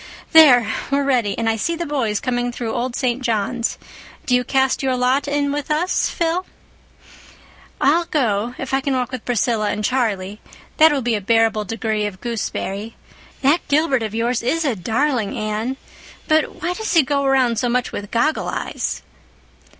There! we're ready, and I see the boys coming through Old St. John's. Do you cast in your lot with us, Phil?" "I'll go, if I can walk with Priscilla and Charlie. That will be a bearable degree of gooseberry. That Gilbert of yours is a darling, Anne, but why does he go around so much with Goggle eyes?"